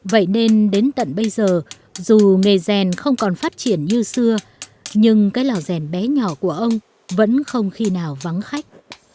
vậy nên đến tận bây giờ dù nghề rèn không còn phát triển như xưa nhưng cái lò rèn bé nhỏ của ông vẫn không khi nào vắng khách